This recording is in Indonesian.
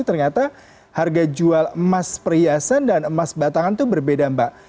ternyata harga jual emas perhiasan dan emas batangan itu berbeda mbak